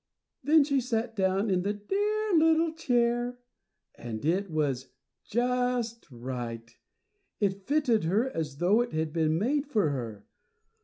Then she sat down in the dear little chair, and it was just right, and fitted her as though it had been made for her.